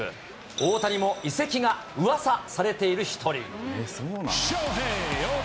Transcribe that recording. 大谷も移籍がうわさされている一人。